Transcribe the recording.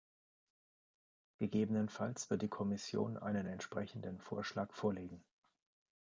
Gegebenenfalls wird die Kommission einen entsprechenden Vorschlag vorlegen.